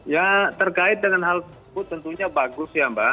ya terkait dengan hal tersebut tentunya bagus ya mbak